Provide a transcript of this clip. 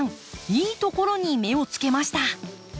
いいところに目をつけました。